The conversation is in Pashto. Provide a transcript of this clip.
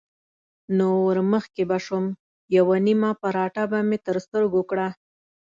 نو ورمخکې به شوم، یوه نیمه پراټه به مې تر ګوتو کړه.